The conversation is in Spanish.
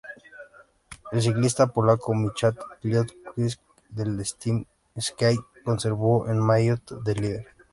El ciclista polaco Michał Kwiatkowski del Team Sky conservó el maillot de líder.